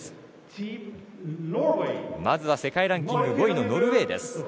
まずは世界ランキング５位のノルウェーです。